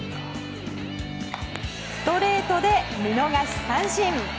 ストレートで見逃し三振。